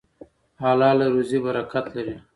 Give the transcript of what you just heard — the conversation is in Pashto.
حلاله روزي برکت لري.